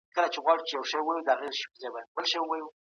پلار مي وویل چي تاسي باید تل د مېلمنو عزت وکړئ.